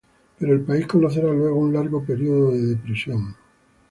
Pero el país conocerá luego un largo periodo de depresión.